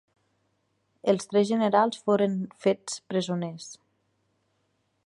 Els tres generals foren fets presoners.